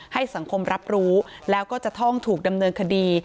ให้สังคมรับรู้แล้วก็จะต้องถูกดำเนินคดี